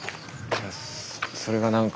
いやそれが何か。